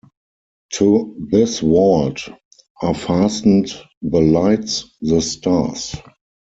To this vault are fastened the lights, the stars.